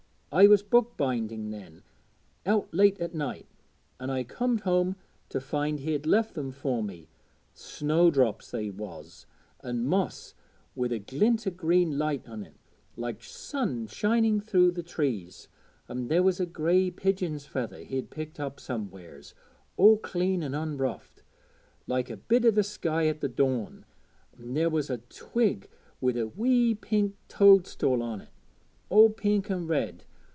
I was book binding then, out late at night, an' I comed home to find he'd left them fur me snowdrops they was, an' moss wi' a glint o' green light on't, like sun shining through th' trees; an' there was a grey pigeon's feather he'd picked up somewheres, all clean and unroughed, like a bit o' the sky at th' dawn; an' there was a twig wi' a wee pink toädstood on't, all pink an' red.